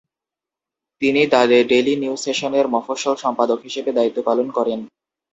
তিনি "The Daily New নেশনে"র মফস্বল সম্পাদক হিসেবে দায়িত্ব পালন করেন।